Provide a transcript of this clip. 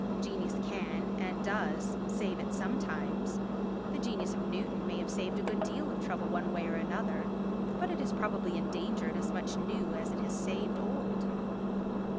Genius can, and does, save it sometimes; the genius of Newton may have saved a good deal of trouble one way or another, but it has probably engendered as much new as it has saved old.